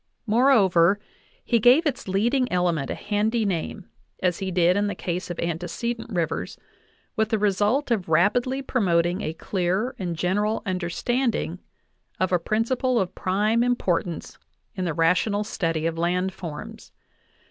Moreover, he gave its leading element a handy name, as he did in the case of antecedent rivers, with the result of rapidly promoting a clear and general understanding of a prin ciple of prime importance in the rational study of land forms.